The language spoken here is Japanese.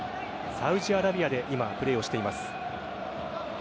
サウジアラビアで今プレーをしています。